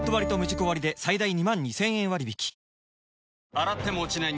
洗っても落ちない